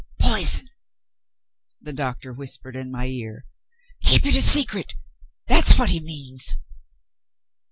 "Poison!" the doctor whispered in my ear. "Keep it a secret; that's what he means."